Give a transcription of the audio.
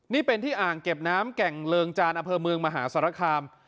นี่เป็นที่อ่างเก็บน้ำแก่งเริงจานอำเภอเมืองมหาสารคาม